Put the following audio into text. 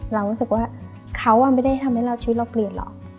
เรารู้สึกว่าเขาไม่ได้ทำให้เราชีวิตเราเปลี่ยนหรอก